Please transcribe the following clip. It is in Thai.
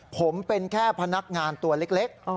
ผมเป็นแค่พนักงานตัวเล็ก